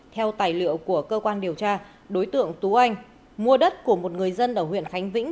theo tài liệu của cơ quan điều tra đối tượng tú anh mua đất của một người dân ở huyện khánh vĩnh